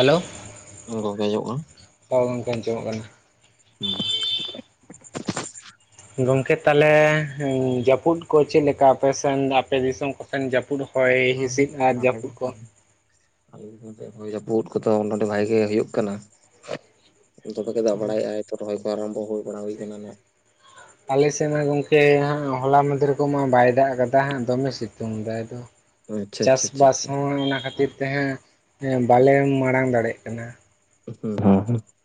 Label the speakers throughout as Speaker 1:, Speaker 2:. Speaker 1: Hello.
Speaker 2: [unintelligible]
Speaker 1: ᱦᱚᱸ ᱜᱚᱝᱠᱮ ᱟᱸᱡᱚᱢᱚᱜ ᱠᱟᱱᱟ ᱾
Speaker 2: [unintelligible]
Speaker 1: ᱜᱚᱝᱠᱮ ᱛᱟᱦᱚᱞᱮ ᱡᱟᱹᱯᱩᱫ ᱠᱚ ᱪᱮᱫ ᱞᱮᱠᱟ ᱟᱯᱮ ᱥᱮᱱ ᱟᱯᱮ ᱫᱤᱥᱚᱢ ᱠᱚᱥᱮᱱ ᱡᱟᱹᱯᱩᱫ ᱦᱚᱭ
Speaker 2: ᱦᱩᱸ
Speaker 1: ᱦᱤᱸᱥᱤᱫ ᱟᱨ
Speaker 2: ᱟᱞᱮ
Speaker 1: ᱡᱟᱹᱯᱩᱫ ᱠᱚ?
Speaker 2: ᱪᱮᱛᱟᱱ ᱟᱞᱮ ᱫᱤᱥᱚᱢ ᱥᱮᱫ ᱦᱚᱭ ᱡᱟᱹᱯᱩᱫ ᱠᱚᱫᱚ ᱱᱚᱸᱰᱮ ᱵᱷᱟᱜᱤ ᱦᱩᱭᱩᱜ ᱠᱟᱱᱟ ᱾ [unintelligible] ᱫᱟᱜ ᱵᱟᱲᱟᱭᱮᱫ-ᱟ ᱛᱚ ᱨᱚᱦᱚᱭ ᱠᱚ ᱟᱨᱟᱢᱵᱷᱚ ᱦᱩᱭ ᱵᱟᱲᱟ ᱦᱩᱭ ᱠᱟᱱᱟ ᱱᱟᱜ᱾
Speaker 1: ᱟᱞᱮ ᱥᱮᱫ ᱢᱟ ᱜᱚᱝᱠᱮ ᱦᱟᱸᱜ ᱦᱚᱞᱟ ᱢᱟᱫᱷᱮᱨ ᱠᱚᱢᱟ ᱵᱟᱭ ᱫᱟᱜ ᱟᱠᱟᱫᱟ ᱦᱟᱸᱜ ᱫᱚᱢᱮ ᱥᱤᱛᱩᱝ ᱮᱫᱟᱭ ᱫᱚ ᱾
Speaker 2: ᱟᱪᱪᱷᱟ
Speaker 1: ᱪᱟᱥ
Speaker 2: ᱟᱪᱪᱷᱟ ᱟᱪᱪᱷᱟ
Speaker 1: ᱵᱟᱥ
Speaker 2: ᱟᱪᱪᱷᱟ
Speaker 1: ᱦᱚᱸ ᱚᱱᱟ ᱠᱷᱟᱹᱛᱤᱨ ᱛᱮ ᱦᱟᱸᱜ ᱵᱟᱞᱮ ᱢᱟᱲᱟᱝ ᱫᱟᱲᱮᱜ ᱠᱟᱱᱟ᱾
Speaker 2: [unintelligible]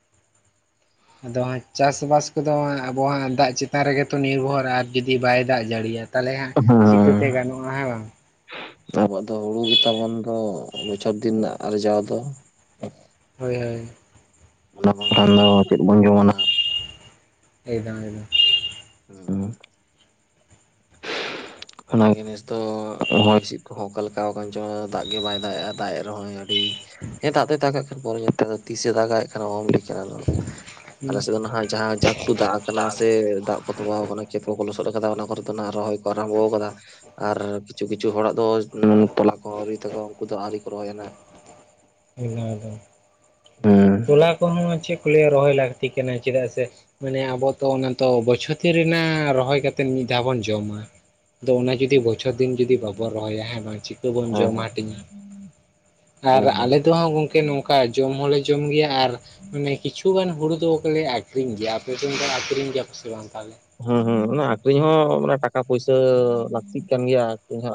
Speaker 1: ᱟᱫᱚ ᱦᱟᱸᱜ ᱪᱟᱥ ᱵᱟᱥ ᱠᱚᱫᱚ ᱟᱵᱚᱣᱟᱜ ᱫᱟᱜ ᱪᱮᱛᱟᱱ ᱨᱮᱜᱮ ᱛᱚ ᱱᱤᱨᱵᱷᱚᱨ, ᱟᱨ ᱡᱩᱫᱤ ᱵᱟᱭ ᱫᱟᱜ ᱡᱟᱹᱲᱤᱭᱟ᱾ ᱛᱟᱦᱞᱮ ᱦᱟᱸᱜ
Speaker 2: ᱦᱮᱸ
Speaker 1: ᱪᱤᱠᱟᱹᱛᱮ ᱜᱟᱱᱚᱜ-ᱟ ᱦᱮᱸ ᱵᱟᱝ
Speaker 2: ᱟᱵᱚᱣᱟᱜ ᱫᱚ ᱦᱩᱲᱩ ᱜᱤᱛᱟ ᱵᱚᱱ ᱛᱚ ᱵᱚᱪᱷᱚᱨ ᱫᱤᱱ ᱱᱟᱜ ᱟᱨᱡᱟᱣ ᱫᱚ᱾
Speaker 1: ᱦᱳᱭ ᱦᱳᱭ
Speaker 2: ᱚᱱᱟ ᱵᱟᱝᱠᱷᱟᱱ ᱫᱚ ᱪᱮᱫ ᱵᱚᱱ ᱡᱚᱢᱟ ᱱᱟᱦᱟᱜ?
Speaker 1: ᱮᱠᱫᱚᱢ ᱮᱠᱫᱚᱢ
Speaker 2: [unintelligible] ᱚᱱᱟ ᱜᱮ ᱱᱮᱥ ᱫᱚ ᱦᱚᱭ ᱦᱤᱸᱥᱤᱫ ᱠᱚᱦᱚᱸ ᱚᱠᱟ ᱞᱮᱠᱟ ᱠᱟᱱ ᱪᱚᱝ ᱫᱟᱜ ᱜᱮ ᱵᱟᱭ ᱫᱟᱜ ᱮ-ᱟ ᱫᱟᱜ ᱮ ᱨᱮᱦᱚᱸᱭ ᱦᱮᱸ ᱫᱟᱜ ᱫᱚᱭ ᱫᱟᱜᱟᱜᱷ ᱦᱟᱜ ᱠᱷᱟᱱ ᱯᱚᱨᱮ ᱧᱚᱜ ᱛᱮᱫᱚ ᱛᱤᱥᱮ ᱫᱟᱜᱟᱭ ᱟᱨ ᱚᱦᱚᱢ ᱠᱮᱭᱟ ᱚᱱᱟ ᱫᱚ ᱟᱞᱮ ᱥᱮ ᱫᱚ ᱱᱟᱦᱟᱜ ᱡᱟ ᱮᱠᱴᱩ ᱫᱟᱜ ᱟᱠᱟᱱᱟ ᱥᱮ ᱫᱟᱜ ᱠᱚ ᱛᱚᱸᱵᱟᱣ ᱠᱟᱱᱟ ᱠᱷᱮᱛ ᱠᱚᱠᱚ ᱞᱚᱥᱚᱫ ᱟᱠᱟᱫᱟ ᱚᱱᱟ ᱠᱚᱨᱮ ᱫᱚ ᱱᱟᱜ ᱨᱚᱦᱚᱭ ᱠᱚ ᱟᱨᱟᱢᱵᱷᱚ ᱟᱠᱟᱫᱟ, ᱟᱨ ᱠᱤᱪᱷᱩ ᱠᱤᱪᱷᱩ ᱦᱚᱲᱟᱜ ᱫᱚ ᱛᱚᱞᱟ ᱠᱚ ᱟᱣᱨᱤ ᱛᱟᱠᱚᱣᱟ ᱩᱝᱠᱩ ᱫᱚ ᱟᱹᱣᱨᱤ ᱠᱚ ᱨᱚᱦᱚᱭᱟ ᱱᱟᱜ᱾
Speaker 1: ᱮᱠᱫᱚᱢ ᱮᱠᱫᱚᱢ ᱛᱚᱞᱟ ᱠᱚᱦᱚᱸ ᱪᱮᱫ ᱠᱚ ᱞᱟᱹᱭᱟ ᱨᱚᱦᱚᱭ ᱞᱟᱹᱠᱛᱤ ᱠᱟᱱᱟ ᱪᱮᱫᱟᱜ ᱥᱮ ᱢᱟᱱᱮ ᱟᱵᱚ ᱛᱚ ᱚᱱᱟ ᱛᱚ ᱵᱚᱪᱷᱚᱛᱤ ᱨᱮᱱᱟᱜ ᱨᱚᱦᱚᱭ ᱠᱟᱛᱮᱫ ᱢᱤᱫ ᱫᱷᱟᱣ ᱵᱚᱱ ᱡᱚᱢᱟ᱾ ᱟᱫᱚ ᱚᱱᱟ ᱡᱩᱫᱤ ᱵᱚᱪᱷᱚᱨ ᱫᱤᱱ ᱡᱩᱫᱤ ᱵᱟᱵᱚᱱ ᱨᱚᱦᱚᱭᱟ ᱦᱮᱸ ᱵᱟᱝ ᱪᱤᱠᱟᱹ ᱵᱚᱱ
Speaker 2: ᱦᱩᱸ
Speaker 1: ᱡᱚᱢ ᱦᱟᱹᱴᱤᱧᱟ?
Speaker 2: ᱦᱮᱸ ᱦᱮᱸ
Speaker 1: ᱟᱨ
Speaker 2: ᱦᱮᱸ
Speaker 1: ᱟᱞᱮ ᱫᱚ ᱦᱟᱜ ᱜᱚᱝᱠᱮ ᱱᱚᱝ ᱠᱟ ᱡᱚᱢ ᱦᱚᱸᱞᱮ ᱡᱚᱢ ᱜᱮᱭᱟ ᱟᱨ ᱠᱤᱪᱷᱩ ᱜᱟᱱ ᱦᱩᱲᱩ ᱫᱚ ᱞᱮ ᱟ- ᱠᱷᱨᱤᱧ ᱜᱮᱭᱟ ᱟᱯᱮ ᱥᱮᱫ ᱟᱠᱷᱨᱤᱧ ᱜᱮᱭᱟ ᱥᱮ ᱵᱟᱝ ᱛᱟᱦᱞᱮ?
Speaker 2: ᱦᱩᱸ ᱦᱩᱸ ᱚᱱᱟ ᱟᱠᱷᱨᱤᱧ ᱦᱚᱸ ᱢᱟᱱᱮ ᱴᱟᱠᱟ ᱯᱩᱭᱥᱟᱹ ᱞᱟᱹᱠᱛᱤᱜ ᱠᱟᱱ ᱜᱮᱭᱟ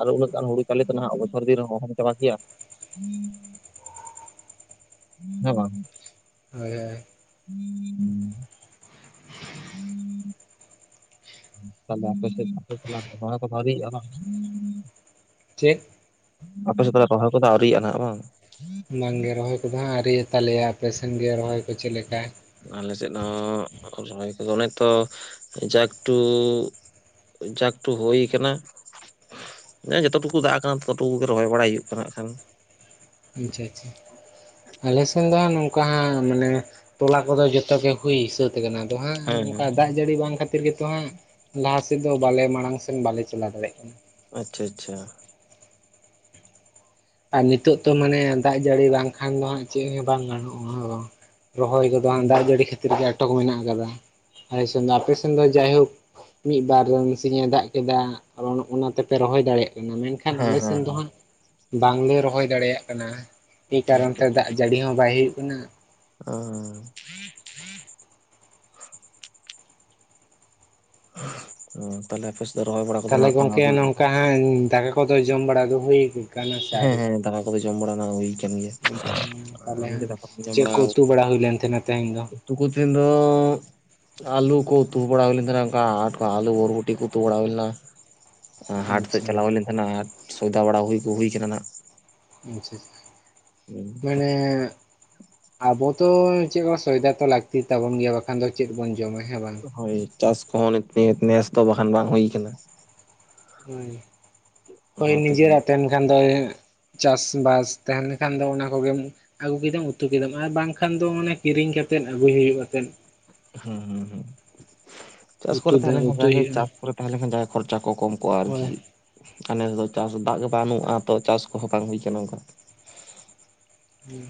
Speaker 2: ᱟᱨ ᱦᱚᱸ ᱩᱱᱟᱹᱜ ᱜᱟᱱ ᱦᱩᱲᱩ᱾ ᱪᱟᱞᱤ ᱛᱚᱱᱟᱜ ᱵᱚᱪᱷᱚᱨ ᱫᱤᱱ ᱨᱮᱦᱚ ᱚᱦᱚᱢ ᱪᱟᱵᱟ ᱠᱮᱭᱟ᱾ ᱦᱮᱸ ᱵᱟᱝ
Speaker 1: ᱦᱳᱭ ᱦᱳᱭ
Speaker 2: [unintelligible] ᱛᱟᱦᱞᱮ ᱟᱯᱮ ᱥᱮᱫ ᱟᱯᱮ ᱦᱚᱲ ᱠᱚ ᱵᱷᱟᱜᱤᱭᱮᱜᱼᱟ ᱵᱟᱝ?
Speaker 1: ᱪᱮᱫ
Speaker 2: ᱟᱯᱮ ᱥᱮᱫ ᱨᱚᱦᱚᱭ ᱠᱚᱫᱚ ᱟᱹᱣᱨᱤᱭᱟ-ᱟ ᱱᱟᱜ ᱵᱟᱝ?
Speaker 1: ᱵᱟᱝ ᱜᱮ ᱨᱚᱦᱚᱭ ᱠᱚᱫᱚ ᱦᱟᱸᱜ ᱟᱹᱣᱨᱤ ᱛᱟᱞᱮᱭᱟ ᱟᱯᱮ ᱥᱮᱱ ᱜᱮ ᱨᱚᱦᱚᱭ ᱠᱚ ᱪᱮᱫ ᱞᱮᱠᱟ?
Speaker 2: ᱟᱞᱮ ᱥᱮᱫ ᱦᱚᱸ ᱨᱚᱦᱚᱭ ᱠᱚᱫᱚ ᱚᱱᱮ ᱛᱚ ᱡᱟ ᱮᱠᱴᱩ ᱡᱟᱠᱴᱩ ᱦᱩᱭ ᱠᱟᱱᱟ ᱡᱚᱛ ᱴᱩᱠᱩ ᱫᱟᱜ ᱠᱟᱱᱟ ᱛᱚᱛᱚ ᱴᱩᱠᱩᱜᱮ ᱨᱚᱦᱚᱭ ᱵᱟᱲᱟᱭ ᱦᱩᱭᱩᱜ ᱠᱟᱱᱟ ᱦᱟᱜ ᱠᱷᱟᱱ,
Speaker 1: ᱟᱪᱪᱷᱟ ᱟᱪᱪᱷᱟ ᱟᱞᱮᱥᱱ ᱫᱚ ᱦᱟᱜ ᱱᱚᱝᱠᱟ ᱦᱟᱸᱜ ᱢᱟᱱᱮ ᱛᱚᱞᱟ ᱠᱚᱫᱚ ᱡᱚᱛᱚ ᱜᱮ ᱦᱩᱭ ᱥᱟᱹᱛ ᱟᱠᱟᱱᱟ ᱟᱫᱚ ᱦᱟᱸᱜ
Speaker 2: ᱦᱮᱸ ᱦᱮᱸ
Speaker 1: ᱱᱚᱝᱠᱟ ᱫᱟᱜ ᱡᱟᱹᱲᱤ ᱵᱟᱝ ᱠᱷᱟᱱ ᱠᱷᱟᱹᱛᱤᱨ ᱜᱮᱛᱚ ᱦᱟᱸᱜ ᱞᱟᱦᱟ ᱥᱮᱫ ᱫᱚ ᱵᱟᱞᱮ ᱢᱟᱲᱟᱝ ᱥᱮᱱ ᱵᱟᱞᱮ ᱪᱟᱞᱟᱣ ᱫᱟᱲᱮᱜ ᱠᱟᱱᱟ᱾
Speaker 2: ᱟᱪᱪᱷᱟ ᱟᱪᱪᱷᱟ
Speaker 1: ᱟᱨ ᱱᱤᱛᱚᱜ ᱛᱚ ᱢᱟᱱᱮ ᱫᱟᱜ ᱡᱟᱹᱲᱤ ᱵᱟᱝ ᱠᱷᱟᱱ ᱫᱚ ᱦᱟᱜ ᱪᱮᱫ ᱦᱚᱸ ᱵᱟᱝ ᱜᱟᱱᱚᱜ-ᱟ᱾ ᱨᱚᱦᱚᱭ ᱠᱚᱫᱚ ᱦᱟᱸᱜ
Speaker 2: ᱦᱮᱸ
Speaker 1: ᱫᱟᱜ ᱡᱟᱹᱲᱤ ᱠᱷᱟᱹᱛᱤᱨ ᱜᱮ ᱟᱴᱚᱠ ᱢᱮᱱᱟ ᱟᱠᱟᱫᱟ ᱟᱞᱮ ᱥᱮᱱ ᱫᱚ, ᱟᱯᱮ ᱥᱮᱱ ᱫᱚ ᱡᱟᱭ ᱦᱳᱠ ᱢᱤᱜ ᱵᱟᱨ ᱫᱚ ᱢᱤᱜ ᱥᱤᱧᱮ ᱫᱟᱜ ᱠᱮᱫᱟ ᱚᱱᱟ ᱛᱮᱯᱮ ᱨᱚᱦᱚᱭ ᱫᱟᱲᱮᱭᱟᱜ ᱠᱟᱱᱟ ᱢᱮᱱᱠᱷᱟᱱ ᱟᱞᱮ
Speaker 2: ᱦᱮᱸ
Speaker 1: ᱥᱮᱱ ᱫᱚ ᱦᱟᱸᱜ ᱵᱟᱝᱞᱮ ᱨᱚᱦᱚᱭ ᱫᱟᱲᱮᱭᱟᱜ ᱠᱟᱱᱟ ᱮ ᱠᱟᱨᱚᱱ
Speaker 2: ᱟᱪᱪᱷᱟ
Speaker 1: ᱛᱮ ᱫᱟᱜ ᱡᱟᱲᱤ ᱦᱚᱸ ᱵᱟᱭ ᱦᱩᱭᱩᱜ ᱠᱟᱱᱟ ᱾
Speaker 2: ᱚ ᱦᱩᱸ ᱛᱟᱦᱞᱮ ᱟᱯᱮ ᱥᱮᱫ ᱫᱚ ᱨᱚᱦᱚᱭ ᱵᱟᱲᱟ ᱠᱚᱫᱚ ᱱᱟᱜ ᱠᱷᱟᱱ ᱟᱣᱨᱤ [unintelligible]
Speaker 1: ᱦᱮᱸ ᱫᱟᱠᱟ ᱠᱚᱫᱚ ᱡᱚᱢ ᱵᱟᱲᱟ ᱫᱚ ᱦᱩᱭ ᱠᱟᱱᱟ ᱾
Speaker 2: ᱦᱮᱸ ᱦᱮᱸ ᱫᱟᱠᱟ ᱠᱚᱫᱚ ᱡᱚᱢ ᱵᱟᱲᱟ ᱱᱟ ᱦᱩᱭ ᱠᱟᱱ ᱜᱮᱭᱟ᱾
Speaker 1: ᱟᱪᱪᱷᱟ ᱛᱟᱦᱞᱮ
Speaker 2: ᱟᱢᱜᱮ
Speaker 1: ᱦᱟᱸᱜ
Speaker 2: ᱫᱟᱠᱟ ᱠᱚᱢ
Speaker 1: ᱪᱮᱫ ᱠᱚ ᱩᱛᱩ ᱵᱟᱲᱟ ᱦᱩᱭ ᱞᱮᱱ ᱛᱷᱮᱱᱟ ᱛᱮᱦᱮᱧ ᱫᱚ?
Speaker 2: [unintelligible] ᱛᱤᱱ ᱫᱚ ᱟᱞᱩ ᱠᱚ ᱩᱛᱩ ᱵᱟᱲᱟ ᱦᱩᱭ ᱞᱮᱱ ᱛᱷᱮᱱᱟ ᱚᱝᱠᱟ ᱟᱞᱩ ᱵᱚᱨᱵᱩᱴᱤ ᱠᱚ ᱩᱛᱩ ᱵᱟᱲᱟ ᱦᱩᱭ ᱞᱮᱱᱟ ᱾ ᱦᱟᱴ ᱥᱮᱫ
Speaker 1: ᱟᱪᱪᱷᱟ
Speaker 2: ᱪᱟᱞᱟᱣ ᱦᱩᱭ ᱞᱮᱱ ᱛᱟᱦᱮᱱᱟ ᱦᱟᱴ ᱥᱚᱭᱫᱟ ᱵᱟᱲᱟ ᱦᱩᱭ ᱦᱩᱭ ᱠᱟᱱᱟ ᱱᱟᱜ ᱾
Speaker 1: ᱟᱪᱪᱷᱟ ᱪᱷᱟ ᱢᱟᱱᱮ ᱟᱵᱚ ᱛᱚ ᱪᱮᱫ ᱠᱚ ᱥᱚᱭᱫᱟ ᱠᱚ ᱞᱟᱹᱠᱛᱤ ᱛᱟᱵᱚᱱ ᱜᱮᱭᱟ ᱵᱟᱠᱷᱟᱱ ᱫᱚ ᱪᱮᱫ ᱵᱚᱱ ᱡᱚᱢᱟ ᱦᱮᱸ ᱵᱟᱝ ᱾
Speaker 2: ᱦᱚᱭ ᱪᱟᱥ ᱠᱚᱦᱚᱸ [unintelligible] ᱱᱮᱥ ᱫᱚ ᱵᱟᱠᱷᱟᱱ ᱵᱟᱝ ᱦᱩᱭ ᱟᱠᱟᱱᱟ᱾
Speaker 1: ᱦᱚᱭ [unintelligible] ᱦᱚᱭ
Speaker 2: ᱚᱱᱟ ᱛᱮᱜᱮ
Speaker 1: ᱱᱤᱡᱮᱨᱟᱜ ᱛᱟᱦᱮᱸᱱ ᱠᱷᱟᱱ ᱫᱚᱭ ᱪᱟᱥᱵᱟᱥ ᱛᱟᱦᱮᱸᱱ ᱞᱮᱠᱷᱟᱱ ᱫᱚ ᱚᱱᱟ ᱠᱚᱜᱮᱢ ᱟᱹᱜᱩ ᱠᱮᱫᱟᱢ ᱩᱛᱩ ᱠᱮᱫᱟᱢ ᱟᱨ ᱵᱟᱝᱠᱷᱟᱱ ᱫᱚ ᱢᱟᱱᱮ ᱠᱤᱨᱤᱧ ᱠᱟᱛᱮᱫ ᱟᱹᱜᱩᱭ ᱦᱩᱭᱩᱜᱼᱟᱛᱮᱫ᱾
Speaker 2: ᱦᱩᱸ ᱦᱩᱸ ᱦᱩᱸ, ᱪᱟᱥ
Speaker 1: ᱩᱛᱩ
Speaker 2: ᱠᱚᱨᱮ
Speaker 1: ᱫᱚ
Speaker 2: ᱛᱟᱦᱮᱸ ᱞᱮᱱᱠᱷᱟᱱ
Speaker 1: ᱩᱛᱩᱭ
Speaker 2: ᱡᱟᱜᱮ
Speaker 1: ᱦᱩᱭᱩᱜᱼᱟ
Speaker 2: ᱪᱟᱥ ᱛᱟᱦᱮᱸ ᱞᱮᱱᱠᱷᱟᱱ ᱡᱟᱦᱟᱸ ᱠᱷᱚᱨᱪᱟ ᱠᱚ ᱠᱚᱢ ᱠᱚᱜᱼᱟ
Speaker 1: ᱦᱳᱭ
Speaker 2: ᱟᱨᱠᱤ ᱾ ᱱᱮᱥ ᱫᱚ ᱪᱟᱥ ᱫᱟᱜ ᱜᱮ ᱵᱟᱹᱱᱩᱜᱼᱟ ᱛᱚ ᱪᱟᱥ ᱠᱚᱦᱚᱸ ᱵᱟᱝ ᱦᱩᱭ ᱟᱠᱟᱱᱟ ᱚᱱᱠᱟ᱾
Speaker 1: ᱦᱩᱸ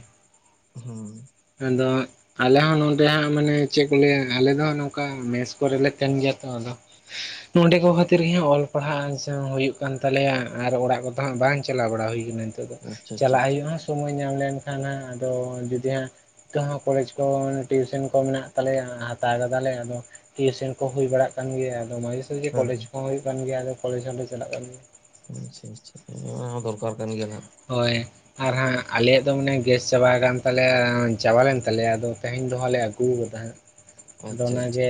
Speaker 2: ᱦᱩᱸ
Speaker 1: ᱟᱫᱚ ᱟᱞᱮ ᱦᱚᱸ ᱱᱚᱸᱰᱮ ᱦᱟᱸᱜ ᱢᱟᱱᱮ ᱪᱮᱫ ᱠᱚ ᱞᱟᱹᱭᱟ ᱟᱞᱮ ᱫᱚ ᱱᱚᱝᱠᱟ ᱢᱮᱥ ᱠᱚᱨᱮ ᱞᱮ ᱛᱟᱦᱮᱸᱱ ᱜᱮᱭᱟ ᱛᱚ ᱟᱫᱚ,
Speaker 2: [inaudible]
Speaker 1: ᱱᱚᱰᱮ ᱠᱚ ᱠᱷᱟᱹᱛᱤᱨ ᱜᱮ ᱚᱞ ᱯᱟᱲᱦᱟᱜ [unintelligible] ᱦᱩᱭᱩᱜ ᱠᱟᱱ ᱛᱟᱞᱮᱭᱟ ᱟᱨ ᱚᱲᱟᱜ ᱠᱚᱫᱚ ᱦᱟᱸᱜ ᱵᱟᱝ ᱪᱟᱞᱟᱣ ᱵᱟᱲᱟ ᱦᱩᱭ ᱟᱠᱟᱱᱟ
Speaker 2: ᱟᱪᱪᱷᱟ
Speaker 1: ᱾
Speaker 2: ᱟᱪᱪᱷᱟ
Speaker 1: ᱪᱟᱞᱟᱜ
Speaker 2: ᱟᱪᱪᱷᱟ
Speaker 1: ᱦᱩᱭᱩᱜᱼᱟ ᱥᱚᱢᱚᱭ ᱧᱟᱢ ᱞᱮᱱᱠᱷᱟᱱ ᱦᱟᱸᱜ ᱟᱫᱚ ᱡᱩᱫᱤ ᱦᱟᱸᱜ ᱱᱤᱛ ᱦᱚᱸ ᱠᱚᱞᱮᱡᱽ ᱠᱚ ᱴᱤᱭᱩᱥᱚᱱ ᱠᱚ ᱢᱮᱱᱟᱜ ᱛᱟᱞᱮᱭᱟ ᱦᱟᱛᱟᱣ ᱠᱟᱫᱟᱞᱮ ᱟᱫᱚ ᱴᱤᱭᱩᱥᱚᱱ ᱠᱚ ᱦᱩᱭ ᱵᱟᱲᱟᱜ ᱠᱟᱱ ᱜᱮᱭᱟ, ᱟᱫᱚ ᱢᱟᱡᱷᱮ ᱥᱟᱡᱷᱮ
Speaker 2: ᱦᱮᱸ
Speaker 1: ᱠᱚᱞᱮᱡᱽ
Speaker 2: ᱦᱮᱸ
Speaker 1: ᱠᱚᱦᱚ ᱦᱩᱭᱩᱜ ᱠᱟᱱ ᱜᱮᱭᱟ ᱟᱫᱚ ᱠᱚᱞᱮᱡᱽ ᱦᱚᱸᱞᱮ ᱪᱟᱞᱟᱜ ᱠᱟᱱ ᱜᱮᱭᱟ ᱾
Speaker 2: ᱟᱪᱪᱷᱟ ᱟᱪᱪᱷᱟ, ᱦᱮᱸ ᱚᱱᱟ ᱦᱚᱸ ᱫᱚᱨᱠᱟᱨ ᱠᱟᱱ ᱜᱮᱭᱟ ᱱᱟᱦᱟᱜ ᱾
Speaker 1: ᱦᱚᱭ ᱟᱨ ᱦᱟᱸᱜ ᱟᱞᱮᱭᱟᱜ ᱫᱚ ᱢᱟᱱᱮ ᱜᱮᱥ ᱪᱟᱵᱟ ᱟᱠᱟᱱ ᱛᱟᱞᱮᱭᱟ ᱪᱟᱵᱟ ᱞᱮᱱ ᱛᱟᱞᱮᱭᱟ ᱟᱫᱚ ᱛᱮᱦᱮᱧ ᱫᱚᱦᱟ ᱞᱮ ᱟᱹᱜᱩ ᱠᱟᱫᱟ ᱦᱟᱸᱜ ᱾ ᱟᱫᱚ
Speaker 2: ᱟᱪᱪᱷᱟ
Speaker 1: ᱚᱱᱟᱜᱮ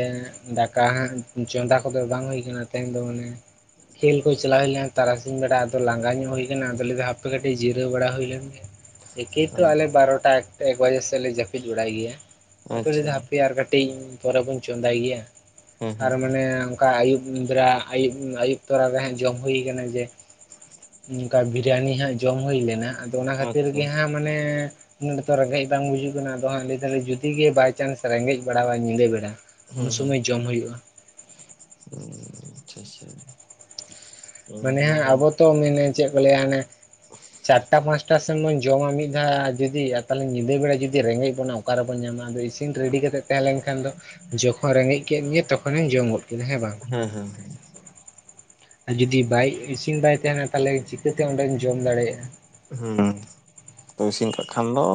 Speaker 1: ᱫᱟᱠᱟ ᱦᱟᱸᱜ ᱪᱚᱸᱫᱟ ᱠᱚᱫᱚ ᱵᱟᱝ ᱦᱩᱭ ᱠᱟᱱᱟ ᱛᱮᱦᱮᱧ ᱫᱚ ᱢᱟᱱᱮ ᱠᱷᱮᱞ ᱠᱚ ᱪᱟᱞᱟᱣ ᱦᱩᱭ ᱞᱮᱱᱟ ᱛᱟᱨᱟᱥᱤᱧ ᱵᱮᱲᱟ ᱟᱫᱚ ᱞᱟᱸᱜᱟ ᱧᱚᱜ ᱦᱩᱭ ᱟᱠᱟᱱᱟ ᱟᱫᱚ ᱞᱟᱹᱭᱟ [unintelligible] ᱦᱟᱯᱮ ᱠᱟᱹᱴᱤᱡ ᱡᱤᱨᱟᱹᱣ ᱵᱟᱲᱟ ᱦᱩᱭ ᱞᱮᱱ ᱜᱮ ᱮᱠᱮ
Speaker 2: ᱟᱪᱪᱷᱟ
Speaker 1: ᱛᱚ
Speaker 2: ᱦᱮᱸ
Speaker 1: ᱟᱞᱮ ᱵᱟᱨᱚᱴᱟ ᱮᱠ ᱮᱠ ᱵᱟᱡᱮ ᱥᱮᱫ ᱞᱮ ᱡᱟᱹᱯᱤᱫ ᱵᱟᱲᱟᱭ ᱜᱮᱭᱟ, [unintelligible]
Speaker 2: ᱟᱪᱪᱷᱟ
Speaker 1: ᱫᱚ ᱦᱟᱯᱮ ᱟᱨ ᱠᱟᱹᱴᱤᱡ ᱯᱚᱨᱮ ᱵᱚᱱ ᱪᱚᱸᱫᱟᱭ ᱜᱮᱭᱟ
Speaker 2: ᱦᱮᱸ
Speaker 1: ᱾ ᱟᱨ
Speaker 2: ᱦᱮᱸ ᱦᱮᱸ
Speaker 1: ᱢᱟᱱᱮ ᱚᱱᱠᱟ ᱟᱹᱭᱩᱵ ᱵᱮᱨᱟ ᱟᱹᱭᱩᱵ ᱟᱹᱭᱩᱵ ᱛᱚᱨᱟ ᱨᱮ ᱦᱮᱸ ᱡᱚᱢ ᱦᱩᱭ ᱠᱟᱱᱟ ᱡᱮ, ᱚᱝᱠᱟ ᱵᱤᱨᱭᱟᱱᱤ ᱦᱟᱸᱜ ᱡᱚᱢ ᱦᱩᱭ ᱞᱮᱱᱟ ᱟᱫᱚ ᱚᱱᱟ ᱠᱷᱟᱹᱛᱤᱨ
Speaker 2: ᱟᱪᱪᱷᱟ
Speaker 1: ᱜᱮ ᱦᱟᱸᱜ ᱢᱟᱱᱮ ᱱᱚᱰᱮ ᱛᱚ ᱨᱮᱸᱜᱮᱡ ᱵᱟᱝ ᱵᱩᱡᱩᱜ ᱠᱟᱱᱟ ᱟᱫᱚ ᱦᱟᱸ ᱞᱟᱹᱭ ᱫᱟᱞᱮ ᱡᱩᱫᱤ ᱜᱮ ᱵᱟᱭᱪᱟᱱᱥ ᱨᱮᱸᱜᱮᱡ ᱵᱟᱲᱟᱣᱟ ᱧᱤᱫᱟᱹ ᱵᱮᱲᱟ ᱾
Speaker 2: ᱦᱩᱸ ᱦᱩᱸ ᱟᱪᱪᱷᱟ ᱪᱷᱟ,
Speaker 1: ᱢᱟᱱᱮ ᱦᱟᱜ ᱟᱵᱚ ᱛᱚ ᱢᱮᱱᱮ ᱪᱮᱫ ᱠᱚ ᱞᱟᱹᱭᱟ ᱚᱱᱮ ᱪᱟᱨᱴᱟ ᱯᱟᱸᱪᱴᱟ ᱥᱮᱱ ᱵᱚᱱ ᱡᱚᱢᱟ ᱢᱤᱫ ᱫᱷᱟᱣ ᱡᱩᱫᱤ ᱛᱟᱦᱚᱞᱮ ᱧᱤᱫᱟᱹ ᱵᱮᱲᱟ ᱡᱩᱫᱤ ᱨᱮᱸᱜᱮᱡ ᱵᱚᱱᱟ ᱚᱠᱟ ᱨᱮᱵᱚᱱ ᱧᱟᱢᱟ, ᱟᱫᱚ ᱤᱥᱤᱱ ᱨᱮᱰᱤ ᱠᱟᱛᱮᱫ ᱛᱟᱦᱮᱸ ᱞᱮᱱᱠᱷᱟᱱ ᱫᱚ, ᱡᱚᱠᱷᱚᱱ ᱨᱮᱸᱜᱮᱡ ᱠᱮᱫ ᱢᱮᱭᱟ ᱛᱚᱠᱷᱚᱱᱮᱢ ᱡᱚᱢ ᱜᱚᱫ ᱠᱮᱫᱟ ᱦᱮᱸ ᱵᱟᱝ᱾
Speaker 2: ᱦᱮᱸ ᱦᱮᱸ
Speaker 1: ᱡᱩᱫᱤ ᱵᱟᱭ ᱤᱥᱤᱱ ᱵᱟᱭ ᱛᱟᱦᱮᱸᱱᱟ ᱛᱟᱦᱚᱞᱮ ᱪᱤᱠᱟᱹᱛᱮ ᱚᱸᱰᱮᱢ ᱡᱚᱢ ᱫᱟᱲᱮᱭᱟᱜᱼᱟ ᱾
Speaker 2: ᱦᱩᱸ, ᱤᱥᱤᱱ ᱠᱟᱜ ᱠᱷᱟᱱ ᱫᱚ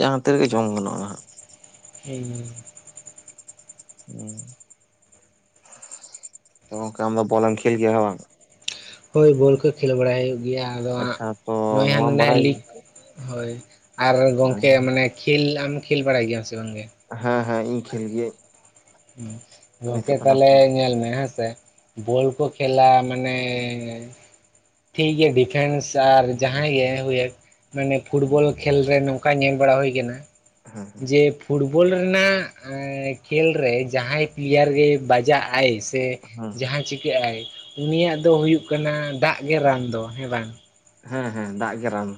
Speaker 2: ᱡᱟᱦᱟᱸ ᱛᱤᱨᱮᱜᱮ ᱡᱚᱢ ᱜᱟᱱᱚᱜᱼᱟ ᱦᱟᱸᱜ᱾
Speaker 1: ᱦᱩᱸ
Speaker 2: ᱦᱩᱸ ᱛᱚ ᱜᱚᱢᱠᱮ ᱟᱢᱫᱚ ᱵᱚᱞ ᱮᱢ ᱠᱷᱮᱞ ᱜᱮᱭᱟ ᱦᱮᱸ ᱵᱟᱝ?
Speaker 1: ᱦᱚᱭ, ᱵᱚᱞ ᱠᱚ ᱠᱷᱮᱞ ᱵᱟᱲᱟᱭ ᱦᱩᱭᱩᱜ ᱜᱮᱭᱟ ᱟᱫᱚ ᱦᱟᱸᱜ
Speaker 2: ᱟᱪᱪᱷᱟ ᱛᱚ
Speaker 1: ᱱᱚᱜᱼᱚᱭ ᱦᱟᱜ
Speaker 2: ᱱᱚᱣᱟᱢ
Speaker 1: ᱱᱚᱰᱮ
Speaker 2: ᱵᱟᱲᱟᱭ
Speaker 1: ᱞᱤᱜᱽ ᱦᱚᱭ ᱟᱨ ᱜᱚᱝᱠᱮ ᱢᱟᱱᱮ ᱠᱷᱮᱞ ᱟᱢ ᱠᱷᱮᱞ ᱵᱟᱲᱟᱭ ᱜᱮᱭᱟᱢ ᱥᱮ ᱵᱟᱝᱜᱮ?
Speaker 2: ᱦᱮᱸ ᱦᱮᱸ ᱤᱧ ᱠᱷᱮᱞ ᱜᱤᱭᱟᱹᱧ᱾
Speaker 1: ᱜᱚᱢᱠᱮ
Speaker 2: ᱱᱤᱛᱚᱜ ᱫᱚ ᱱᱟᱜ
Speaker 1: ᱛᱟᱦᱞᱮ ᱧᱮᱞ ᱢᱮ ᱦᱮᱸᱥᱮ ᱵᱚᱞ ᱠᱚ ᱠᱷᱮᱞᱟ ᱢᱟᱱᱮ ᱴᱷᱤᱠ ᱜᱮ ᱰᱤᱯᱷᱮᱱᱥ ᱟᱨ ᱡᱟᱦᱟᱸᱭ ᱜᱮ ᱦᱩᱭ ᱮᱱ, ᱢᱟᱱᱮ ᱯᱷᱩᱴᱵᱚᱞ ᱠᱷᱮᱞ ᱨᱮ ᱱᱚᱝᱠᱟ ᱧᱮᱞ ᱵᱟᱲᱟ ᱦᱩᱭ ᱟᱠᱟᱱᱟ,
Speaker 2: ᱦᱮᱸ
Speaker 1: ᱡᱮ ᱯᱷᱩᱴᱵᱚᱞ ᱨᱮᱱᱟᱜ ᱠᱷᱮᱞ ᱨᱮ ᱡᱟᱦᱟᱸᱭ ᱯᱞᱤᱭᱟᱨ ᱜᱮᱭ ᱵᱟᱡᱟᱜ ᱟᱭ ᱥᱮ
Speaker 2: ᱦᱮᱸ
Speaker 1: ᱡᱟᱦᱟᱸ ᱪᱤᱠᱟᱹᱜ ᱟᱭ ᱩᱱᱤᱭᱟᱜ ᱫᱚ ᱦᱩᱭᱩᱜ ᱠᱟᱱᱟ ᱫᱟᱜ ᱜᱮ ᱨᱟᱱ ᱫᱚ ᱦᱮᱸ ᱵᱟᱝ?
Speaker 2: ᱦᱮᱸ ᱦᱮᱸ ᱫᱟᱜ ᱜᱮ ᱨᱟᱱ᱾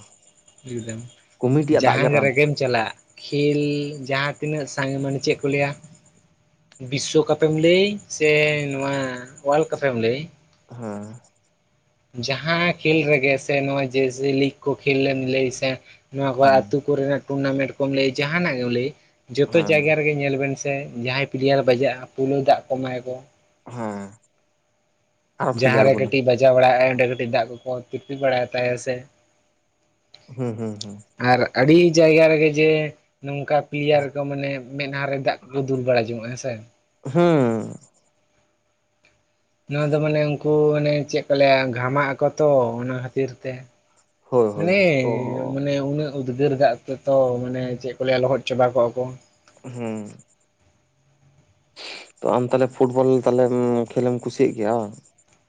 Speaker 1: ᱮᱠᱫᱚᱢ
Speaker 2: ᱠᱚᱢᱤᱴᱤᱭᱟᱜ ᱫᱟᱜ
Speaker 1: ᱡᱟᱦᱟᱸ ᱜᱮ
Speaker 2: ᱨᱟᱱ
Speaker 1: ᱨᱮᱜᱮᱢ ᱪᱟᱞᱟᱜ ᱠᱷᱮᱞ ᱡᱟᱦᱟᱸ ᱛᱤᱱᱟᱹᱜ ᱥᱟᱜ ᱢᱟᱱᱮ ᱪᱮᱫ ᱠᱚ ᱞᱟᱹᱭᱟ, ᱵᱤᱥᱥᱚᱠᱟᱯᱮᱢ ᱞᱟᱹᱭ ᱥᱮ ᱱᱚᱣᱟ ᱚᱣᱟᱞ ᱠᱟᱯᱮᱢ ᱞᱟᱹᱭ,
Speaker 2: ᱦᱮᱸ
Speaker 1: ᱡᱟᱦᱟᱸ ᱠᱷᱮᱞ ᱨᱮᱜᱮ ᱥᱮ ᱱᱚᱣᱟ ᱡᱮᱥᱮ ᱞᱤᱜᱽ ᱠᱚ ᱠᱷᱮᱞ ᱞᱮᱢ ᱞᱟᱹᱭ ᱥᱮ ᱱᱚᱣᱟ ᱠᱚ
Speaker 2: ᱦᱮᱸ
Speaker 1: ᱟᱹᱛᱩ ᱠᱚᱨᱮᱱᱟᱜ ᱴᱩᱨᱱᱟᱢᱮᱱᱴ ᱠᱚᱢ ᱞᱟᱹᱭ ᱡᱟᱦᱱᱟᱜ ᱜᱮᱢ ᱞᱟᱹᱭ ᱡᱚᱛᱚ
Speaker 2: ᱦᱮᱸ
Speaker 1: ᱡᱟᱭᱜᱟ ᱨᱮᱜᱮ ᱧᱮᱞ ᱵᱮᱱ ᱥᱮ ᱥᱮ ᱡᱟᱦᱟᱸᱭ ᱯᱤᱞᱮᱟᱨ ᱵᱟᱡᱟᱜᱼᱟ, ᱯᱩᱭᱭᱳ ᱫᱟᱜ ᱠᱚ ᱮᱢᱟᱭᱟ ᱠᱚ
Speaker 2: ᱦᱮᱸ ᱟᱨᱚ ᱠᱷᱤᱞᱮ
Speaker 1: ᱡᱟᱦᱟᱸ ᱨᱮᱜᱮ
Speaker 2: ᱟᱬᱜᱚᱱᱟ
Speaker 1: ᱠᱟᱹᱴᱤᱡ ᱵᱟᱡᱟᱣ ᱵᱟᱲᱟᱭ ᱟᱭ ᱚᱸᱰᱮ ᱠᱟᱹᱴᱤᱡ ᱫᱟᱜ ᱠᱚᱠᱚ ᱛᱤᱯᱤ ᱵᱟᱲᱟᱭ ᱛᱟᱭᱟ ᱥᱮ
Speaker 2: ᱦᱩᱸ ᱦᱩᱸ ᱦᱩᱸ
Speaker 1: ᱟᱨ ᱟᱹᱰᱤ ᱡᱟᱭᱜᱟ ᱨᱮᱜᱮ ᱡᱮ ᱱᱚᱝᱠᱟ ᱯᱞᱮᱭᱟᱨ ᱠᱚ ᱢᱟᱱᱮ ᱢᱮᱫᱦᱟ ᱨᱮ ᱫᱟᱜ ᱠᱚᱠᱚ ᱫᱩᱞ ᱵᱟᱲᱟ ᱡᱚᱝᱚᱜᱼᱟ ᱦᱮᱸ ᱥᱮ
Speaker 2: ᱦᱩᱸ
Speaker 1: ᱱᱚᱣᱟ ᱫᱚ ᱢᱟᱱᱮ ᱩᱱᱠᱩ ᱢᱟᱱᱮ ᱪᱮᱫ ᱠᱚ ᱞᱟᱹᱭᱟ ᱜᱷᱟᱢᱟᱜ ᱟᱠᱚ ᱛᱚ᱾ ᱚᱱᱟ ᱠᱷᱟᱹᱛᱤᱨ ᱛᱮ
Speaker 2: ᱦᱳᱭ ᱦᱳᱭ
Speaker 1: ᱢᱟᱱᱮ
Speaker 2: ᱛᱚ
Speaker 1: ᱢᱟᱱᱮ ᱩᱱᱟᱹᱜ ᱩᱫᱽᱜᱟᱹᱨ ᱜᱟᱜ ᱡᱚᱛᱚ ᱢᱟᱱᱮ ᱪᱮᱫ ᱠᱚ ᱞᱟᱹᱭᱟ ᱞᱚᱦᱚᱫ ᱪᱟᱵᱟ ᱠᱚᱜᱼᱟ ᱠᱚ᱾
Speaker 2: ᱦᱩᱸ ᱛᱚ ᱟᱢ ᱛᱟᱦᱚᱞᱮ ᱯᱷᱩᱴᱵᱚᱞ ᱛᱟᱦᱞᱮ ᱠᱷᱮᱞᱮᱢ ᱠᱩᱥᱤᱭᱟᱜ ᱜᱮᱭᱟ?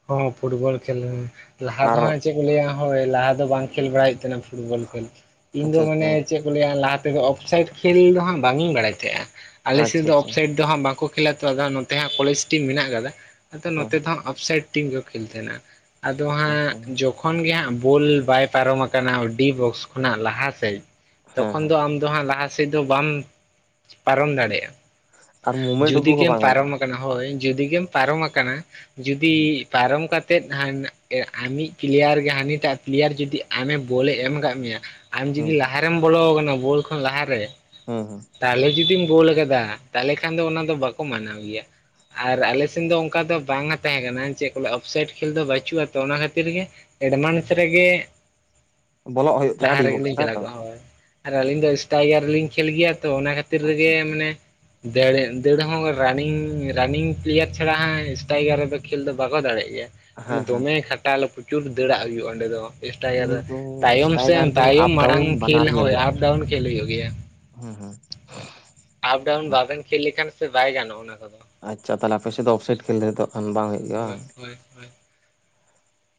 Speaker 1: ᱦᱚ ᱯᱷᱩᱴᱵᱚᱞ ᱠᱷᱮᱞ ᱞᱟᱦᱟ ᱫᱚ
Speaker 2: ᱟᱨ
Speaker 1: ᱦᱟᱸ ᱪᱮᱫ ᱠᱚ ᱞᱟᱹᱭᱟ ᱦᱳᱭ ᱞᱟᱦᱟ ᱫᱚ ᱵᱟᱝ ᱠᱷᱮᱞ ᱵᱟᱲᱟᱭ ᱦᱩᱭᱩᱜ ᱛᱟᱦᱮᱱᱟ᱾ ᱯᱷᱩᱴᱵᱚᱞ ᱠᱷᱮᱞ ᱤᱧ ᱫᱚ
Speaker 2: ᱟᱪᱪᱷᱟ
Speaker 1: ᱢᱟᱱᱮ
Speaker 2: ᱟᱪᱪᱷᱟ
Speaker 1: ᱪᱮᱫ ᱞᱟᱦᱟ ᱛᱮᱫᱚ ᱚᱯᱷᱥᱟᱭᱤ ᱠᱷᱮᱞ ᱫᱚ ᱦᱟᱸᱜ ᱵᱟᱝ ᱤᱧ ᱵᱟᱲᱟᱭ ᱛᱟᱦᱮᱸᱜᱼᱟ, ᱟᱞᱮᱥᱮᱫ
Speaker 2: ᱟᱪᱪᱷᱟ
Speaker 1: ᱫᱚ
Speaker 2: ᱟᱪᱪᱷᱟ
Speaker 1: ᱚᱯᱷᱥᱟᱭᱤᱰ ᱛᱚ ᱦᱚᱸ ᱵᱟᱠᱚ ᱠᱷᱮᱞᱟ ᱛᱚ᱾ ᱟᱫᱟ ᱱᱚᱛᱮ ᱠᱚᱞᱮᱡᱽ ᱴᱤᱢ ᱢᱮᱱᱟᱜ ᱟᱠᱟᱫᱟ᱾ ᱟᱫᱚ
Speaker 2: ᱦᱮᱸ
Speaker 1: ᱱᱚᱛᱮ ᱫᱚᱦᱚ ᱟᱯᱥᱟᱭᱤᱴ ᱴᱤᱢ ᱜᱮ ᱠᱷᱮᱞ ᱛᱟᱦᱮᱱᱟ ᱟᱫᱚ
Speaker 2: ᱦᱮᱸ
Speaker 1: ᱦᱟᱸᱜ ᱛᱚᱠᱷᱚᱱ ᱜᱮ ᱦᱟᱸᱜ ᱵᱳᱞ ᱵᱟᱭ ᱯᱟᱨᱚᱢ ᱟᱠᱟᱱᱟ ᱰᱤ ᱵᱚᱠᱥ ᱠᱷᱚᱱᱟᱜ ᱞᱟᱦᱟ ᱥᱮᱫ
Speaker 2: ᱦᱮᱸ
Speaker 1: ᱛᱚᱠᱷᱚᱱ
Speaker 2: ᱦᱮᱸ
Speaker 1: ᱫᱚ ᱟᱢ ᱫᱚ ᱦᱟᱸᱜ ᱞᱟᱦᱟᱟᱥᱮᱫ ᱫᱚ ᱵᱟᱢ ᱯᱟᱨᱚᱢ ᱫᱟᱲᱮᱭᱟᱜᱼᱟ᱾
Speaker 2: ᱟᱨ ᱢᱩᱢᱮᱱᱴ
Speaker 1: ᱡᱩᱫᱤ
Speaker 2: ᱩᱫᱩᱜ ᱦᱚᱸ
Speaker 1: ᱜᱮᱢ
Speaker 2: ᱵᱟᱝ ᱜᱟᱱᱚᱜᱼᱟ
Speaker 1: ᱯᱟᱨᱚᱢᱟ ᱟᱠᱟᱱᱟ ᱦᱳᱭ ᱡᱩᱫᱤ ᱜᱮᱢ ᱯᱟᱨᱚᱢ ᱟᱠᱟᱱᱟ, ᱡᱩᱫᱤ
Speaker 2: ᱦᱩᱸ
Speaker 1: ᱯᱟᱨᱚᱢ ᱠᱟᱛᱮᱫ ᱦᱟᱱ ᱟᱢᱤᱡ ᱯᱞᱮᱭᱟᱨ ᱜᱮ ᱦᱟᱹᱱᱤᱴᱟᱜ ᱯᱞᱮᱭᱟᱨ ᱡᱩᱫᱤ ᱟᱢᱮ ᱵᱚᱞᱮ ᱮᱢ ᱠᱟᱫ ᱢᱮᱭᱟ ᱟᱢ ᱡᱩᱫᱤ
Speaker 2: ᱦᱩᱸ
Speaker 1: ᱞᱟᱦᱟᱨᱮᱢ ᱵᱚᱞᱚ ᱟᱠᱟᱱᱟ ᱵᱳᱞ ᱠᱷᱚᱱ ᱞᱟᱦᱟᱨᱮ
Speaker 2: ᱦᱩᱸ ᱦᱩᱸ
Speaker 1: ᱛᱟᱦᱚᱞᱮ ᱡᱩᱫᱤᱢ ᱜᱳᱞ ᱟᱠᱟᱫᱟ ᱛᱟᱦᱚᱞᱮ ᱠᱷᱟᱱ ᱫᱚ ᱚᱱᱟ ᱫᱚ ᱵᱟᱠᱚ ᱢᱟᱱᱟᱣ ᱜᱮᱭᱟ᱾ ᱟᱨ ᱟᱞᱮ ᱥᱮᱱ ᱫᱚ ᱚᱱᱠᱟ ᱫᱚ ᱵᱟᱝ ᱛᱟᱦᱮᱸ ᱠᱟᱱᱟ ᱪᱮᱫ ᱠᱚ ᱞᱟᱹᱭᱟ ᱚᱯᱷᱥᱟᱭᱤᱰ ᱠᱷᱮᱞ ᱫᱚ ᱵᱟᱹᱪᱩᱜᱼᱟ ᱛᱚ, ᱚᱱᱟ ᱠᱷᱟᱹᱛᱤᱨ ᱜᱮ ᱮᱰᱵᱷᱟᱱᱥ ᱨᱮᱜᱮ
Speaker 2: ᱵᱚᱞᱚᱜ ᱦᱩᱭᱩᱜ ᱛᱟᱭᱟ
Speaker 1: ᱞᱟᱦᱟ
Speaker 2: ᱟᱹᱰᱤ ᱵᱚᱠᱥ
Speaker 1: ᱨᱮᱜᱮᱞᱤᱧ ᱪᱟᱞᱟᱜ
Speaker 2: ᱛᱟᱭᱛᱚ
Speaker 1: ᱠᱚᱜᱼᱟ ᱦᱳᱭ᱾ ᱟᱨ ᱟᱹᱞᱤᱧ ᱫᱚ ᱮᱴᱟᱭᱜᱟᱨ ᱞᱤᱧ ᱠᱷᱮᱞ ᱜᱮᱭᱟ ᱛᱚ᱾ ᱚᱱᱟ ᱠᱷᱟᱹᱛᱤᱨ
Speaker 2: ᱟᱪᱪᱷᱟ
Speaker 1: ᱨᱮᱜᱮ ᱢᱟᱱᱮ ᱫᱟᱹᱲ ᱫᱟᱹᱲ ᱦᱚᱸ ᱨᱟᱱᱤᱝ ᱨᱟᱱᱤᱝ ᱯᱞᱮᱭᱟᱨ ᱪᱷᱟᱲᱟ ᱦᱟᱸᱜ ᱮᱥᱴᱟᱭᱜᱟᱨ ᱨᱮᱫᱚ ᱠᱷᱮᱞ ᱫᱚ ᱵᱟᱠᱚ ᱫᱟᱲᱮᱜ ᱜᱮᱭᱟ᱾
Speaker 2: ᱟᱪᱪᱷᱟ
Speaker 1: ᱢᱟᱱᱮ
Speaker 2: ᱦᱮᱸ ᱦᱮᱸ
Speaker 1: ᱫᱚᱢᱮ ᱠᱷᱟᱴᱟᱞ ᱯᱨᱚᱪᱩᱨ ᱫᱟᱹᱲᱟᱜ ᱦᱩᱭᱩᱜᱼᱟ ᱚᱸᱰᱮ ᱫᱚ ᱥᱴᱟᱭᱠᱟᱨ
Speaker 2: ᱩᱱᱤ ᱫᱚ
Speaker 1: ᱛᱟᱭᱚᱢ ᱥᱮ
Speaker 2: ᱥᱴᱟᱭᱜᱟᱨ ᱫᱚ
Speaker 1: ᱛᱟᱭᱚᱢ
Speaker 2: ᱟᱯ
Speaker 1: ᱢᱟᱲᱟᱝ
Speaker 2: ᱰᱟᱣᱩᱱ
Speaker 1: ᱠᱷᱮᱞ ᱦᱳᱭ ᱟᱯ ᱰᱟᱣᱩᱱ ᱠᱷᱮᱞ ᱦᱩᱭᱩᱜ ᱜᱮᱭᱟ᱾
Speaker 2: ᱦᱩᱸ ᱦᱩᱸ
Speaker 1: ᱟᱯ ᱰᱟᱣᱩᱱ ᱵᱟᱵᱮᱱ ᱠᱷᱮᱞ ᱞᱮᱠᱷᱟᱱ ᱥᱮ ᱵᱟᱭ ᱜᱟᱱᱚᱜᱼᱟ ᱚᱱᱟ ᱠᱚᱫᱚ᱾
Speaker 2: ᱟᱪᱪᱷᱟ ᱛᱟᱦᱮ ᱟᱯᱮ ᱥᱮᱫ ᱚᱥᱟᱭᱤ ᱠᱷᱮᱞ ᱨᱮᱫᱚ ᱠᱷᱟᱱ ᱵᱟᱝ ᱦᱩᱭᱩᱜᱼᱟ᱾
Speaker 1: ᱦᱳᱭ ᱦᱳᱭ ᱦᱳᱭ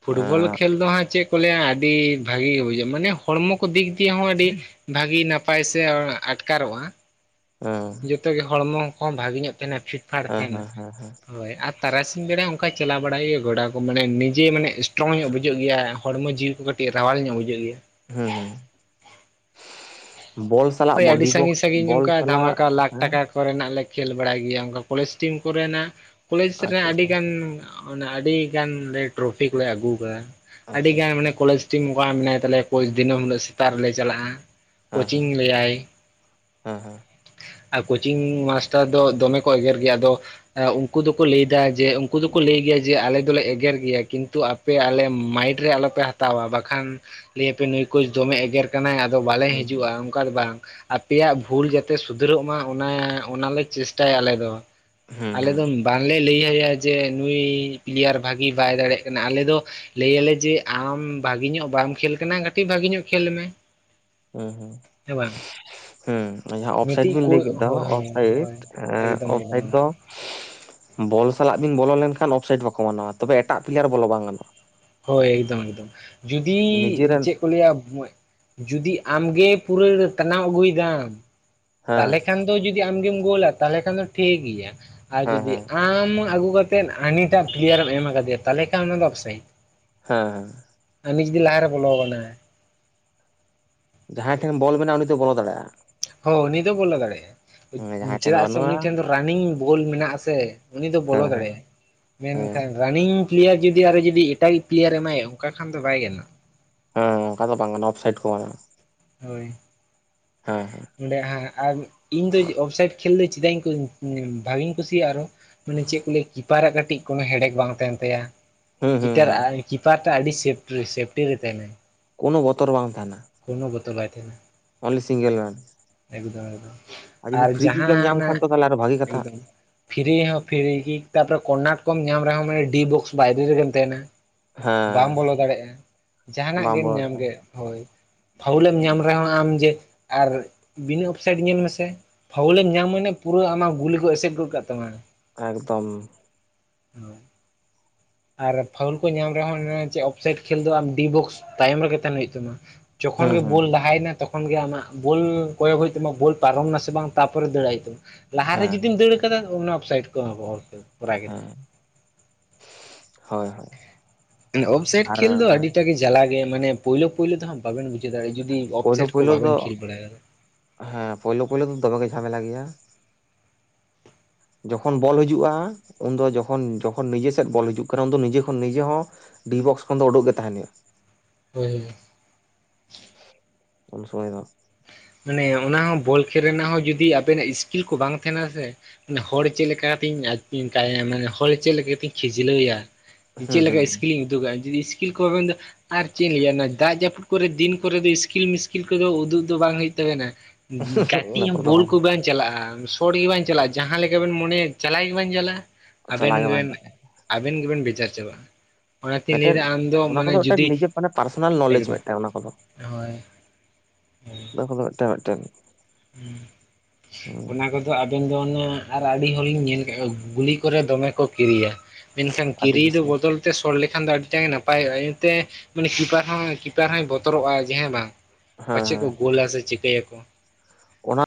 Speaker 1: ᱯᱷᱩᱴᱵᱚᱞ
Speaker 2: ᱦᱮᱸ
Speaker 1: ᱠᱷᱮᱞ ᱫᱚ ᱦᱟᱸᱜ ᱪᱮᱫ ᱠᱚ ᱞᱟᱹᱭᱟ ᱟᱹᱰᱤ ᱵᱷᱟᱜᱮ ᱜᱮ ᱵᱩᱡᱷᱟᱹᱜᱼᱟ, ᱢᱟᱱᱮ ᱦᱚᱲᱢᱚ ᱠᱚ ᱫᱤᱠ ᱫᱤᱭᱮ ᱦᱚᱸ ᱟᱹᱰᱤ ᱵᱷᱟᱹᱜᱮ ᱱᱟᱯᱟᱭ ᱥᱮ ᱟᱴᱠᱟᱨᱚᱜᱼᱟ᱾
Speaker 2: ᱦᱮᱸ᱾
Speaker 1: ᱡᱚᱛᱚ ᱜᱮ ᱦᱚᱲᱢᱚ ᱠᱚ ᱵᱷᱟᱹᱜᱮ ᱧᱚᱜ ᱛᱟᱦᱮᱱᱟ, ᱯᱷᱤᱴᱯᱷᱟᱴ
Speaker 2: ᱦᱮᱸ
Speaker 1: ᱛᱟᱦᱮᱱᱟ᱾
Speaker 2: ᱦᱮᱸ ᱦᱮᱸ
Speaker 1: ᱦᱳᱭ ᱟᱨ ᱛᱟᱨᱟᱥᱤᱧ ᱵᱮᱲᱟ ᱚᱱᱠᱟᱭ ᱪᱟᱞᱟᱣ ᱵᱟᱲᱟᱭ ᱦᱚᱭᱳᱜ ᱜᱚᱰᱟ ᱠᱚ, ᱢᱟᱱᱮ ᱱᱤᱡᱮ ᱢᱟᱱᱮ ᱥᱴᱨᱚᱝ ᱧᱚᱜ ᱵᱩᱡᱷᱟᱹᱜ ᱜᱮᱭᱟ, ᱦᱚᱲᱢᱚ ᱡᱤᱣᱤ ᱠᱚ ᱠᱟᱹᱴᱤᱡ ᱨᱟᱣᱟᱞ ᱧᱚᱜ ᱵᱩᱡᱷᱟᱹᱜ ᱜᱮᱭᱟ᱾
Speaker 2: ᱦᱮᱸ ᱦᱮᱸ, ᱵᱚᱞ ᱥᱟᱞᱟᱜ
Speaker 1: ᱦᱳᱭ ᱟᱹᱰᱤ
Speaker 2: ᱵᱚᱰᱤ ᱵᱚᱠᱥ
Speaker 1: ᱥᱟᱺᱜᱤᱧ ᱥᱟᱺᱜᱤᱧ
Speaker 2: ᱵᱚᱞ
Speaker 1: ᱚᱱᱠᱟᱜ
Speaker 2: ᱥᱟᱞᱟᱜ
Speaker 1: ᱫᱷᱟᱢᱟᱠᱟ ᱞᱟᱠᱷ
Speaker 2: ᱦᱮᱸ
Speaker 1: ᱴᱟᱠᱟ ᱠᱚᱨᱮᱱᱟᱜ ᱞᱮ ᱠᱷᱮᱞ ᱵᱟᱲᱟᱭ ᱜᱮᱭᱟ, ᱚᱱᱠᱟ ᱠᱚᱞᱮᱡᱽ ᱴᱤᱢ ᱠᱚᱨᱮᱱᱟᱜ ᱠᱚᱞᱮᱡᱽ ᱨᱮᱱᱟᱜ
Speaker 2: ᱟᱪᱪᱷᱟ
Speaker 1: ᱟᱹᱰᱤᱜᱟᱱ ᱚᱱᱮ ᱟᱹᱰᱤ ᱜᱟᱱ ᱞᱮ ᱴᱨᱚᱯᱤᱠ ᱠᱚᱞᱮ ᱟᱹᱜᱩ ᱟᱠᱟᱫᱟ, ᱟᱹᱰᱤ
Speaker 2: ᱟᱪᱪᱷᱟ
Speaker 1: ᱜᱟᱱ
Speaker 2: ᱟᱪᱪᱷᱟ
Speaker 1: ᱢᱟᱱᱮ ᱠᱚᱞᱮᱡᱽ ᱴᱤᱢ ᱚᱝᱠᱟ ᱢᱮᱱᱟᱭ ᱛᱟᱞᱮᱭᱟ ᱠᱳᱪ ᱫᱤᱹᱢ ᱦᱤᱞᱳᱜ ᱥᱮᱛᱟᱜ ᱨᱮᱞᱮ ᱪᱟᱞᱟᱜᱼᱟ᱾
Speaker 2: ᱦᱮᱸ ᱦᱮᱸ᱾
Speaker 1: ᱞᱟᱹᱭᱼᱟᱭ
Speaker 2: ᱦᱮᱸ
Speaker 1: ᱟᱸ ᱠᱳᱪᱤᱝ ᱢᱟᱥᱴᱟᱨ ᱫᱚ ᱫᱚᱢᱮ ᱠᱚ ᱮᱜᱮᱨ ᱜᱮᱭᱟ, ᱟᱫᱚ ᱮᱸ ᱩᱱᱠᱩ ᱫᱚᱠᱚ ᱞᱟᱹᱭ ᱫᱟ ᱡᱮ, ᱩᱱᱠᱩ ᱫᱚᱠᱚ ᱞᱟᱹᱭ ᱜᱮᱭᱟ ᱡᱮ ᱟᱞᱮ ᱫᱚᱞᱮ ᱮᱜᱮᱨ ᱜᱮᱭᱟ ᱠᱤᱱᱛᱩ ᱟ ᱟᱯᱮ ᱟᱞᱮ ᱢᱟᱭᱤᱰ ᱨᱮ ᱟᱞᱚᱯᱮ ᱦᱟᱛᱟᱣᱼᱟ, ᱵᱟᱠᱷᱟᱱ ᱞᱟᱹᱭ ᱟᱯᱮ ᱱᱩᱭ ᱠᱩᱪ ᱫᱚᱢᱮ ᱮᱜᱮᱨ ᱠᱟᱱᱟᱭ, ᱟᱫᱚ ᱵᱟᱞᱮ
Speaker 2: ᱦᱮᱸ
Speaker 1: ᱦᱤᱡᱩᱜᱼᱟ᱾ ᱚᱠᱟ ᱫᱚ ᱵᱟᱝ, ᱟᱯᱮᱭᱟᱜ ᱵᱷᱩᱞ ᱡᱟᱛᱮ ᱥᱩᱫᱷᱨᱟᱹᱜᱽ ᱢᱟ ᱚᱱᱟ, ᱚᱱᱟ ᱞᱮ ᱪᱮᱥᱴᱟᱭᱟ ᱟᱞᱮ ᱫᱚ᱾
Speaker 2: ᱦᱩᱸ
Speaker 1: ᱟᱞᱮ ᱫᱚ
Speaker 2: ᱦᱩᱸ
Speaker 1: ᱵᱟᱝ ᱞᱮ ᱞᱟᱹᱭ ᱭᱟᱼᱭᱟ ᱡᱮ ᱱᱩᱭ ᱯᱞᱮᱭᱟᱨ ᱵᱷᱟᱜᱤ ᱵᱟᱭ ᱫᱟᱲᱮᱭᱟᱜᱽ ᱠᱟᱱᱟ, ᱟᱞᱮ ᱫᱚ ᱞᱟᱹᱭ ᱭᱟᱞᱮ ᱡᱮ ᱟᱢ ᱵᱷᱟᱜᱮ ᱧᱚᱜᱽ ᱵᱟᱢ ᱠᱷᱮᱞ ᱠᱟᱱᱟ, ᱠᱟᱹᱴᱤᱡᱽ ᱵᱷᱟᱜᱮ ᱧᱚᱜ ᱠᱷᱹᱮᱞ ᱢᱮ᱾
Speaker 2: ᱦᱩᱸ ᱦᱩᱸ᱾
Speaker 1: ᱦᱮᱸ, ᱵᱟᱝ?
Speaker 2: ᱦᱩᱸ᱾ ᱡᱟᱦᱟᱸ ᱚᱯᱷᱥᱟᱭᱤᱴ
Speaker 1: ᱢᱤᱫᱴᱤᱡ
Speaker 2: ᱵᱮᱱ
Speaker 1: ᱠᱳ
Speaker 2: ᱞᱟᱹᱭ ᱠᱮᱫ ᱫᱚ
Speaker 1: ᱦᱳᱭ ᱦᱳᱭ
Speaker 2: ᱚᱯᱷᱥᱟᱭᱤᱴ,
Speaker 1: ᱦᱳᱭ
Speaker 2: ᱮᱸ
Speaker 1: ᱮᱠᱫᱚᱢ
Speaker 2: ᱚᱯᱷᱥᱟᱭᱤᱴ
Speaker 1: ᱮᱠᱫᱚᱢ
Speaker 2: ᱫᱚ ᱵᱚᱞ ᱥᱟᱞᱟᱜᱽ ᱵᱤᱱ ᱵᱚᱞᱚ ᱞᱮᱱᱠᱷᱟᱱ ᱚᱯᱷᱥᱟᱭᱤᱴ ᱵᱟᱠᱚ ᱢᱟᱱᱟᱣᱟ, ᱛᱚᱵᱮ ᱮᱴᱟᱜ ᱯᱞᱮᱭᱟᱨ ᱵᱚᱞᱚ ᱵᱟᱝ ᱜᱟᱱᱚᱜᱼᱟ᱾
Speaker 1: ᱦᱳᱭ, ᱮᱠᱫᱚᱢ ᱮᱠᱫᱚᱢ, ᱡᱩᱫᱤ
Speaker 2: ᱱᱤᱡᱮᱨᱮᱱ
Speaker 1: ᱪᱮᱜᱽ ᱠᱚ ᱞᱟᱹᱭᱟ, ᱡᱩᱫᱤ ᱟᱢᱜᱮ ᱯᱩᱨᱟᱹ ᱴᱟᱱᱟᱣ ᱟᱹᱜᱩᱭ ᱮᱫᱟᱢ ᱛᱟᱦᱞᱮ
Speaker 2: ᱦᱮᱸ
Speaker 1: ᱠᱷᱟᱱ ᱫᱚ ᱡᱩᱫᱤ ᱟᱢᱜᱮᱢ ᱜᱳᱞᱟ ᱛᱟᱦᱚᱞᱮ ᱠᱷᱟᱱ ᱫᱚ ᱴᱷᱤᱠ ᱜᱮᱭᱟ, ᱟᱨ
Speaker 2: ᱦᱮᱸ
Speaker 1: ᱡᱩᱫᱤ
Speaker 2: ᱦᱮᱸ
Speaker 1: ᱟᱢ ᱟᱹᱜᱩ ᱠᱟᱛᱮ ᱛᱮᱫᱽ ᱦᱟᱱᱤᱴᱟᱜ ᱯᱞᱮᱭᱟᱨ ᱮᱢ ᱟᱠᱟᱫᱮᱭᱟ ᱛᱟᱦᱞᱮ ᱠᱷᱟᱱ ᱚᱱᱟ ᱫᱚ ᱚᱯᱷᱥᱟᱭᱤᱴ᱾
Speaker 2: ᱦᱮᱸᱻ᱾
Speaker 1: ᱦᱟᱹᱱᱤ ᱡᱩᱫᱤ ᱞᱟᱦᱟ ᱨᱮ ᱵᱚᱞᱚ ᱜᱚᱫ ᱱᱟ᱾
Speaker 2: ᱡᱟᱦᱟᱸᱭ ᱴᱷᱮᱱ ᱵᱚᱞ ᱢᱮᱱᱟᱜᱼᱟ, ᱩᱱᱤ ᱫᱚ ᱵᱚᱞᱚ ᱫᱟᱲᱮᱜᱼᱟ᱾
Speaker 1: ᱦᱚᱸ ᱩᱱᱤ ᱫᱚ ᱵᱚᱞᱚ ᱫᱟᱲᱮᱜᱼᱟ᱾
Speaker 2: ᱡᱟᱦᱟᱸᱭ ᱴᱷᱮᱱ
Speaker 1: ᱪᱮᱫᱟᱜ ᱥᱮ
Speaker 2: ᱵᱟᱹᱱᱩᱜᱼᱟ
Speaker 1: ᱩᱱᱤ ᱴᱷᱮᱱ ᱫᱚ ᱨᱟᱱᱤᱝ ᱵᱳᱞ ᱢᱮᱱᱟᱜ ᱟᱥᱮ, ᱩᱱᱤ ᱫᱚ ᱵᱚᱞᱚ
Speaker 2: ᱦᱮᱸ ᱦᱮᱸ
Speaker 1: ᱫᱟᱲᱮᱭᱟᱜᱼᱟ ᱮ᱾ ᱢᱮᱱᱠᱷᱟᱱ ᱨᱟᱱᱤᱝ ᱯᱞᱮᱭᱟᱨ ᱡᱩᱫᱤ, ᱟᱨᱚ ᱡᱩᱫᱤ ᱮᱴᱟᱜᱤᱡᱽ ᱯᱞᱤᱭᱟᱨ ᱮ ᱮᱢᱟᱭᱟ ᱚᱱᱠᱟ ᱠᱷᱟᱡᱽ ᱫᱚ ᱵᱟᱭ ᱜᱟᱱᱚᱜᱼᱟ᱾
Speaker 2: ᱦᱮᱸ ᱚᱱᱠᱟ ᱫᱚ ᱵᱟᱝ ᱜᱟᱱᱚᱜᱼᱟ ᱚᱯᱷᱥᱟᱭᱤᱴ ᱠᱚ ᱮᱢᱟᱢᱟ᱾
Speaker 1: ᱦᱳᱭ᱾ ᱚᱸᱰᱮ ᱦᱟᱜᱽ, ᱟᱨ ᱤᱧ ᱫᱚ ᱚᱯᱷᱥᱟᱭᱤᱰ ᱠᱷᱮᱞ ᱫᱚ ᱪᱮᱫᱟᱜᱽ ᱤᱧ ᱠᱩ, ᱵᱷᱟᱜᱤᱧ ᱠᱩᱥᱤᱭᱟᱜᱼᱟ, ᱟᱨᱚ ᱢᱟᱱᱮ ᱪᱮᱫ ᱠᱩᱹᱞᱮᱭ ᱠᱤᱯᱟᱨᱟᱜ ᱠᱟᱹᱴᱤᱡ ᱠᱳᱱᱳ ᱦᱮᱰᱮᱠ ᱵᱟᱝ ᱛᱟᱦᱮᱱ ᱛᱟᱭᱟ᱾
Speaker 2: ᱦᱩᱸ ᱦᱩᱸ᱾
Speaker 1: ᱴᱮᱨ
Speaker 2: ᱦᱩᱸ
Speaker 1: ᱟᱭ ᱠᱤᱯᱟᱨᱴᱟᱜ ᱟᱹᱰᱤ ᱥᱮᱯᱴ ᱨᱮ, ᱥᱮᱯᱴᱤ ᱨᱮ ᱛᱟᱦᱮᱱᱟᱭ᱾
Speaker 2: ᱠᱳᱱᱳ ᱵᱚᱛᱚᱨ ᱵᱟᱝ ᱛᱟᱦᱮᱱᱟ᱾
Speaker 1: ᱠᱳᱱᱳ ᱵᱚᱛᱚᱨ ᱵᱟᱭ ᱛᱟᱦᱮᱱᱟ᱾
Speaker 2: ᱳᱱᱞᱤ ᱥᱤᱝᱜᱮᱞ ᱢᱮᱱ᱾
Speaker 1: ᱮᱠᱫᱚᱢ ᱮᱠᱫᱚᱢ᱾ ᱟᱨ ᱡᱟᱦᱟᱸ
Speaker 2: ᱧᱟᱢ
Speaker 1: ᱚᱱᱟ,
Speaker 2: ᱠᱷᱟᱱ ᱛᱚ ᱛᱟᱦᱚᱞᱮ ᱟᱨᱚ ᱵᱷᱟᱜᱤ ᱠᱟᱛᱷᱟ
Speaker 1: ᱮᱠᱫᱚᱢ᱾ ᱯᱷᱤᱨᱤ ᱦᱚᱸ ᱯᱷᱤᱨᱤ ᱜᱤ, ᱛᱟᱯᱚᱨᱮ ᱠᱚᱨᱱᱟᱴ ᱠᱚᱢ ᱧᱟᱢ ᱨᱮᱦᱚᱸ ᱢᱟᱱᱮ ᱰᱤ ᱵᱚᱠᱥ ᱵᱟᱭᱨᱮ ᱨᱮᱜᱮᱢ ᱛᱟᱦᱮᱱᱟ᱾
Speaker 2: ᱦᱮᱸ
Speaker 1: ᱵᱟᱢ ᱵᱚᱞᱚ ᱫᱟᱲᱮᱜᱼᱟ, ᱡᱟᱦᱟᱸᱱᱟᱜᱽ
Speaker 2: ᱵᱟᱢ
Speaker 1: ᱜᱮᱢ
Speaker 2: ᱵᱚᱞᱚ
Speaker 1: ᱧᱟᱢ
Speaker 2: ᱫᱟᱲᱮᱭᱟᱜᱼᱟ
Speaker 1: ᱜᱮ, ᱦᱳᱭ᱾ ᱯᱷᱟᱣᱩᱞᱮᱢ ᱧᱟᱢ ᱨᱮᱦᱚᱸ ᱟᱢ ᱡᱮ, ᱟᱨ ᱵᱤᱱᱟᱹ ᱚᱯᱷᱥᱟᱭᱤᱴ ᱧᱮᱞ ᱢᱮᱥᱮ ᱯᱷᱟᱣᱩᱞᱮᱢ ᱧᱟᱢ ᱢᱟᱱᱮ ᱯᱩᱨᱟᱹ ᱟᱢᱟᱜ ᱜᱩᱞ ᱜᱮᱠᱚ ᱮᱥᱮᱫᱽ ᱜᱚᱫᱽ ᱠᱟᱜᱽ ᱛᱟᱢᱟ᱾
Speaker 2: ᱮᱠᱫᱚᱢ᱾
Speaker 1: ᱦᱮᱞᱳᱣ᱾ ᱟᱨ ᱯᱷᱟᱣᱩᱞ ᱠᱚ ᱧᱟᱢ ᱨᱮᱦᱚᱸ, ᱚᱱᱮ ᱪᱮᱜᱽ ᱚᱯᱷᱥᱟᱭᱤᱴ ᱠᱷᱮᱞ ᱫᱚ ᱟᱢ ᱰᱤ ᱵᱚᱠᱥ ᱛᱟᱭᱚᱢ ᱨᱮᱜᱮ ᱛᱟᱦᱮᱱ ᱦᱩᱭᱩᱜᱽ ᱛᱟᱢᱟ᱾ ᱡᱚᱠᱷᱚᱱ
Speaker 2: ᱦᱩᱸ
Speaker 1: ᱜᱮ
Speaker 2: ᱦᱩᱸ
Speaker 1: ᱵᱳᱞ ᱞᱟᱦᱟᱭᱮᱱᱟ ᱛᱚᱠᱷ ᱛᱚᱠᱷᱚᱱ ᱜᱮ ᱟᱢᱟᱜ ᱵᱳᱞ ᱠᱚᱭᱚᱜᱽ ᱦᱩᱭᱩᱜᱽ ᱛᱟᱢᱟ ᱵᱳᱞ ᱯᱟᱨᱚᱢ ᱱᱟᱥᱮ ᱵᱟᱝ ᱛᱟᱨᱯᱚᱨᱮ ᱫᱟᱹᱲᱟᱜ ᱦᱩᱭᱩᱜ ᱛᱟᱢᱟ᱾ ᱞᱟᱦᱟᱨᱮ
Speaker 2: ᱦᱮᱸ
Speaker 1: ᱡᱩᱫᱤᱢ ᱫᱟᱹᱲ ᱟᱠᱟᱫᱟ ᱚᱱᱟ ᱚᱯᱷᱥᱟᱭᱤᱴ ᱠᱚ ᱮᱦᱚᱵᱟ ᱟᱨᱠᱤ᱾
Speaker 2: ᱦᱮᱸ᱾ [unintelligible]
Speaker 1: ᱚᱯᱷᱥᱟᱭᱤ
Speaker 2: ᱟᱨ
Speaker 1: ᱠᱷᱮᱹᱞ ᱫᱚ ᱟᱹᱰᱤᱴᱟᱜ ᱜᱮ ᱡᱟᱞᱟ ᱜᱮᱭᱟ ᱢᱟᱱᱮ ᱯᱳᱭᱞᱳ ᱯᱳᱭᱞᱳ ᱫᱚᱦᱟᱜᱽ ᱵᱟᱵᱮᱱ ᱵᱩᱡᱷᱟᱹᱣ ᱫᱟᱲᱮᱭᱟᱜ-ᱟ᱾ ᱡᱩᱫᱤ
Speaker 2: ᱯᱳᱭᱞᱳ
Speaker 1: ᱚᱯᱷᱥᱟᱭᱤᱴ ᱠᱚ
Speaker 2: ᱯᱳᱭᱞᱳ ᱫᱚ
Speaker 1: ᱵᱟᱵᱮᱱ ᱠᱷᱮᱹᱞ ᱵᱟᱲᱟ ᱠᱟᱫᱟ᱾
Speaker 2: ᱦᱮᱸ ᱯᱳᱭᱞᱳ ᱯᱳᱭᱞᱳ ᱫᱚᱢᱮ ᱜᱮ ᱡᱷᱟᱢᱮᱞᱟ ᱜᱮᱭᱟ᱾ ᱡᱚᱠᱷᱚᱱ ᱵᱚᱞ ᱦᱤᱡᱩᱜᱼᱟ ᱩᱱᱫᱚ ᱡᱚᱠᱷᱚᱱ ᱡᱚᱠᱷᱚᱱ ᱱᱤᱡᱮ ᱥᱮᱫ ᱵᱚᱞ ᱦᱤᱡᱩᱜᱽ ᱠᱟᱱᱟ ᱩᱱᱫᱚ ᱱᱤᱡᱮ ᱠᱷᱚᱱ ᱱᱤᱡᱮ ᱦᱚᱸ ᱰᱤ ᱵᱚᱠᱥ ᱠᱷᱚᱱ ᱫᱚ ᱩᱰᱩᱜᱽ ᱜᱮ ᱛᱟᱸᱦᱮᱱ ᱦᱩᱭᱩᱜᱼᱟ᱾
Speaker 1: ᱦᱩᱸ᱾
Speaker 2: ᱩᱱ ᱥᱚᱢᱚᱭ ᱫᱚ
Speaker 1: ᱢᱟᱱᱮ ᱚᱱᱟ ᱦᱚᱸ ᱵᱚᱞ ᱠᱷᱮᱹᱞ ᱨᱮᱱᱟᱜ ᱦᱚᱸ ᱡᱩᱫᱤ ᱟᱵᱮᱱᱟᱜ ᱤᱥᱠᱤᱞ ᱠᱚ ᱵᱟᱝ ᱛᱟᱸᱦᱮᱱᱟ ᱥᱮ ᱢᱟᱱᱮ ᱦᱚᱲ ᱪᱮᱫ ᱞᱮᱠᱟ ᱠᱟᱛᱤᱧ ᱠᱟᱭ ᱢᱟᱱᱮ ᱦᱚᱲ ᱪᱮᱫ ᱞᱮᱠᱟ ᱠᱟᱛᱤᱧ ᱠᱷᱤᱡᱽᱞᱟᱹᱣᱮᱭᱟ ᱪᱮᱫ
Speaker 2: ᱦᱩᱸ
Speaker 1: ᱞᱮᱠᱟ
Speaker 2: ᱦᱩᱸ
Speaker 1: ᱤᱥᱠᱤᱞᱤᱧ ᱩᱫᱩᱜᱟ, ᱟᱨ [unintelligible] ᱢᱩᱤᱥᱠᱤᱞ ᱠᱚ ᱢᱮᱱ ᱫᱚ ᱟᱨ ᱪᱮᱫ ᱤᱧ ᱞᱟᱹᱭᱟ ᱚᱱᱟ ᱫᱟᱜ ᱡᱟᱹᱯᱩᱫ ᱠᱚᱨᱮ ᱫᱤᱱ ᱠᱚᱨᱮ ᱫᱚ ᱤᱥᱠᱤᱞ-ᱢᱤᱥᱠᱤᱞ ᱠᱚᱫᱚ ᱩᱫᱩᱜ ᱫᱚ ᱵᱟᱝ ᱦᱩᱭᱩᱜ ᱛᱟᱵᱮᱱᱟ᱾ ᱠᱟᱴᱤ
Speaker 2: ᱚᱱᱟ
Speaker 1: ᱦᱚᱸ
Speaker 2: ᱠᱚᱨᱮ ᱫᱚ
Speaker 1: ᱵᱳᱞ
Speaker 2: ᱵᱟᱝ
Speaker 1: ᱠᱚ ᱵᱮᱱ ᱪᱟᱞᱟᱜᱼᱟ ᱥᱚᱴ ᱜᱮ ᱵᱟᱝ ᱪᱟᱞᱟᱜᱼᱟ ᱡᱟᱦᱟᱸ ᱞᱮᱠᱟ ᱵᱮᱱ ᱢᱚᱱᱮᱭᱟ ᱪᱟᱞᱟᱭ ᱜᱮ ᱵᱟᱝ ᱪᱟᱞᱟᱜᱼᱟ᱾ ᱟᱵᱮᱱ
Speaker 2: ᱪᱟᱞᱟᱣ ᱜᱮ ᱵᱟᱝ
Speaker 1: ᱜᱮᱵᱮᱱ,
Speaker 2: ᱪᱟᱞᱟᱜᱼᱟ
Speaker 1: ᱟᱵᱮᱱ ᱜᱮᱵᱮᱱ ᱵᱮᱡᱟᱨ ᱪᱟᱵᱟᱜᱼᱟ᱾ ᱚᱱᱟᱛᱤᱧ
Speaker 2: ᱢᱤᱫᱴᱮᱱ
Speaker 1: ᱞᱟᱹᱭᱫᱟ ᱟᱢ ᱫᱚ
Speaker 2: ᱚᱱᱟ
Speaker 1: ᱢᱟᱱᱮ
Speaker 2: ᱠᱚᱫᱚ ᱢᱤᱫᱴᱮᱱ
Speaker 1: ᱡᱩᱫᱤ,
Speaker 2: ᱱᱤᱡᱮ ᱢᱟᱱᱮ ᱯᱟᱨᱥᱚᱱᱟᱞ ᱱᱚᱞᱮᱡᱽ
Speaker 1: ᱮᱠᱫᱚᱢ ᱦᱳᱭ᱾
Speaker 2: ᱵᱟᱠᱷ ᱫᱚ ᱢᱮᱫᱴᱮᱡ ᱢᱮᱫᱴᱮᱡ᱾
Speaker 1: ᱦᱩᱸ, ᱚᱱᱟ ᱠᱚ ᱜᱮ ᱟᱵᱮᱱ ᱫᱚ ᱚᱱᱟ ᱟᱨ ᱟᱹᱰᱤ ᱦᱚᱲᱤᱧ ᱧᱮᱞ ᱠᱮᱜ ᱠᱚᱣᱟ ᱜᱩᱞᱤ ᱠᱚᱨᱮ ᱫᱚᱢᱮ ᱠᱚ ᱠᱤᱨᱤᱭᱟ᱾ ᱢᱮᱱᱠᱷᱟᱱ
Speaker 2: ᱟᱹᱰᱤ
Speaker 1: ᱠᱤᱨᱤ ᱫᱚ
Speaker 2: ᱵᱮᱥᱤ ᱦᱮᱸ
Speaker 1: ᱵᱚᱫᱚᱞ ᱛᱮ ᱥᱚᱴ ᱞᱮᱠᱷᱟᱱ ᱫᱚ ᱟᱹᱰᱤᱴᱟ ᱜᱮ ᱱᱟᱯᱟᱭᱚᱜᱼᱟ᱾ ᱤᱱᱟᱹᱛᱮ ᱢᱟᱱᱮ ᱠᱤᱯᱟᱨ ᱦᱚᱸ ᱠᱤᱯᱟᱨ ᱦᱚᱸᱭ ᱵᱚᱛᱚᱨᱚᱜᱼᱟ ᱡᱮ ᱦᱮᱸ ᱵᱟᱝ, ᱯᱟᱪᱮᱫ ᱠᱚ
Speaker 2: ᱦᱮᱸ
Speaker 1: ᱜᱳᱞᱟ ᱥᱮ ᱪᱤᱠᱟᱹᱭᱟ ᱠᱚ᱾
Speaker 2: ᱚᱱᱟ